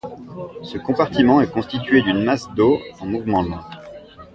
Ce compartiment est constitué d'une masse d'eau en mouvement lent.